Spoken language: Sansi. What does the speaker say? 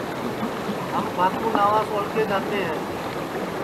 کڑی ہم بھانتو ناوس پیچاٹؔے جاتے ہے